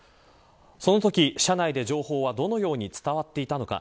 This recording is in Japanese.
そのとき車内で、情報はどのように伝わっていたのか。